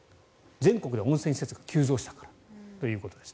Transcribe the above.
全国で温泉施設が急増したということです。